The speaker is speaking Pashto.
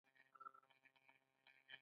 ایا درمل مو ګټه کړې ده؟